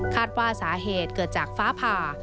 ว่าสาเหตุเกิดจากฟ้าผ่า